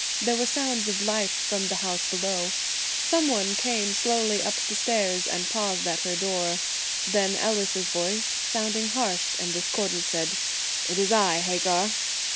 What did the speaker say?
There were sounds of life from the house below. Some one came slowly up the stairs and paused at her door. Then Ellis's voice, sounding harsh and discordant, said: "It is I, Hagar."